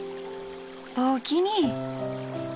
おおきに。